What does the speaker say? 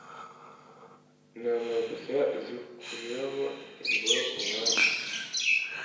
n'amabya zikuriramo imboro umwanya